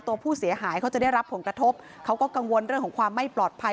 เมื่อผู้เสียหายจะได้รับผลกระทบเขาก็กังวลเรื่องเนี่ย